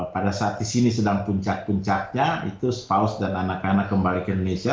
pada saat di sini sedang puncak puncaknya itu spaus dan anak anak kembali ke indonesia